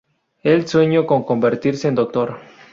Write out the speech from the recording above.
Él sueño con convertirse en doctor.